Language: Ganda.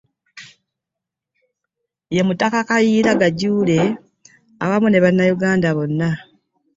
Ye mutaka Kayiira Gajuule awamu ne Bannayuganda bonna.